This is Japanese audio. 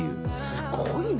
「すごいな。